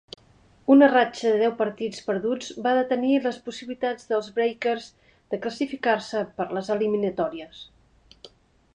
Una ratxa de deu partits perduts va detenir les possibilitats dels Breakers de classificar-se per les eliminatòries.